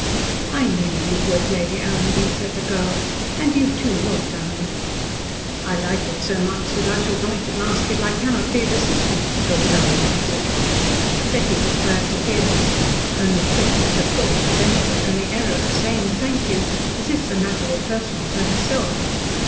"I knew you would, Lady Alanby," said the girl. "And you, too, Lord Dunholm." "I like it so much that I shall write and ask if I cannot be of assistance," Lord Dunholm answered. Betty was glad to hear this. Only quickness of thought prevented her from the error of saying, "Thank you," as if the matter were personal to herself.